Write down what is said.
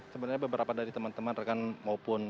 sebenarnya beberapa dari teman teman rekan maupun